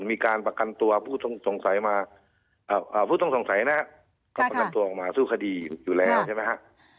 มีการประกันตัวผู้ทรงสมัยนะเขาประกันตัวออกมาสู้คดีอยู่แล้วใช่ไหมฮะ